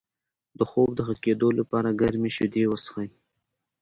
د خوب د ښه کیدو لپاره ګرمې شیدې وڅښئ